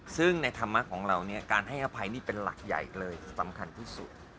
ซึ่งในธรรมะของเราเนี่ยการให้อภัยนี่เป็นหลักใหญ่เลยสำคัญที่สุด